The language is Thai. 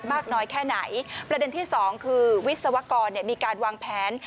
มากน้อยแค่ไหนประเด็นที่สองคือวิศวกรมีการวางแผน